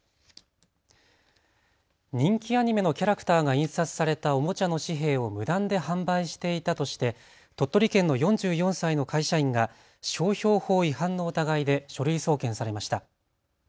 人気アニメのキャラクターが印刷されたおもちゃの紙幣を無断で販売していたとして鳥取県の４４歳の会社員が商標法違反の疑いで書類送検されました。